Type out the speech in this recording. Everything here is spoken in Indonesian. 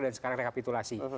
dan sekarang rekapitulasi